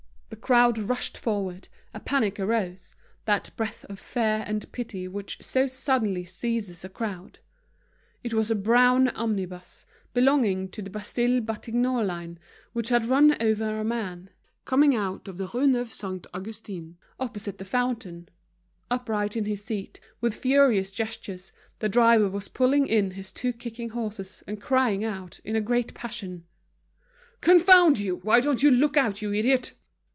The crowd rushed forward, a panic arose, that breath of fear and pity which so suddenly seizes a crowd. It was a brown omnibus, belonging to the Bastille Batignolles line, which had run over a man, coming out of the Rue NeuveSaint Augustin, opposite the fountain. Upright on his seat, with furious gestures, the driver was pulling in his two kicking horses, and crying out, in a great passion: "Confound you! Why don't you look out, you idiot!"